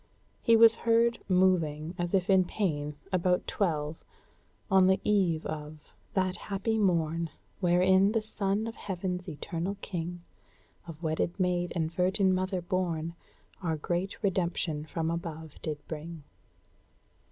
He was heard moving, as if in pain, about twelve, on the eve of "That happy morn Wherein the Son of Heaven's eternal King, Of wedded maid and virgin mother born, Our great redemption from above did bring."